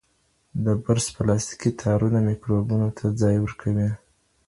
د برس پلاستیکي تارونه میکروبونو ته ځای ورکوي.